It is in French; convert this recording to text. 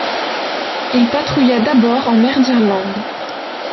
Il patrouilla d'abord en mer d'Irlande.